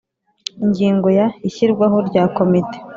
Ingingo ya Ishyirwaho rya komite